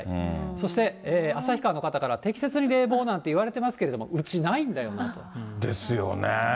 そして、旭川の方から、適切に冷房なんて言われてますけど、うちないんだよな。ですよね。